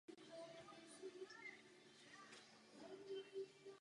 Je členem Světové luterské federace.